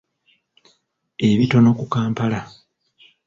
Ebitono ku Kampala.